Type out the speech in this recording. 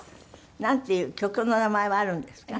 なんていう曲の名前はあるんですか？